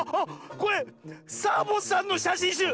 これサボさんのしゃしんしゅう！